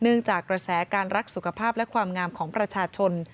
จากกระแสการรักสุขภาพและความงามของประชาชน